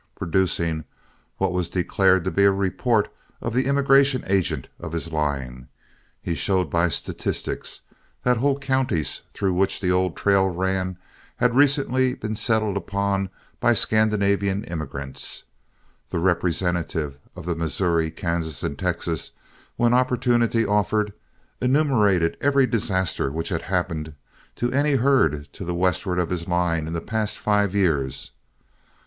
Producing what was declared to be a report of the immigration agent of his line, he showed by statistics that whole counties through which the old trail ran had recently been settled up by Scandinavian immigrants. The representative of the Missouri, Kansas, and Texas, when opportunity offered, enumerated every disaster which had happened to any herd to the westward of his line in the past five years.